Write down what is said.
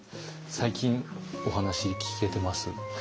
最近お話聞けてます？